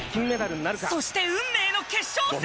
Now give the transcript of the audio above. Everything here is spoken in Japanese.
そして運命の決勝戦！